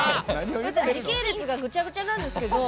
時系列がぐちゃぐちゃなんですけど。